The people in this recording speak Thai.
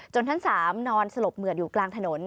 จนท่านสามนอนสลบเหมือนอยู่กลางถนน